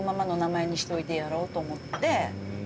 しておいてやろうと思って。